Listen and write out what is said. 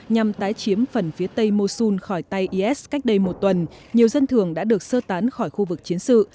nhằm tái chiếm phần phía tây mosun khỏi tay is cách đây một tuần nhiều dân thường đã được sơ tán khỏi khu vực chiến sự